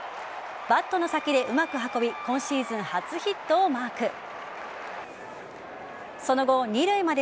バットの先でうまく運び今シーズン初ヒットをマーク。